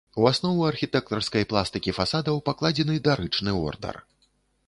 У аснову архітэктарскай пластыкі фасадаў пакладзены дарычны ордар.